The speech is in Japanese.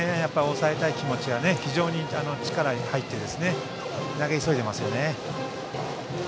抑えたい気持ちが非常に力に入って投げ急いでいますね。